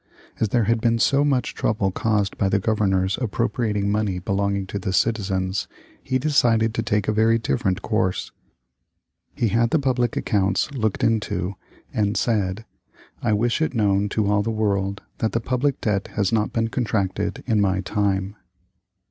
As there had been so much trouble caused by the governors appropriating money belonging to the citizens, he decided to take a very different course. He had the public accounts looked into, and said, "I wish it known to all the world that the public debt has not been contracted in my time."